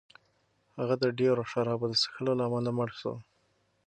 هغه د ډېرو شرابو د څښلو له امله مړ شو.